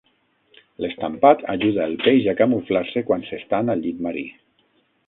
L'estampat ajuda el peix a camuflar-se quan s'estan al llit marí.